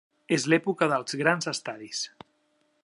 És l'època dels grans estadis.